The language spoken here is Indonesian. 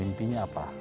kedepan targetnya apa